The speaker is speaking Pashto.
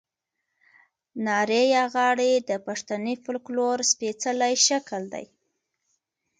نارې یا غاړې د پښتني فوکلور سپېڅلی شکل دی.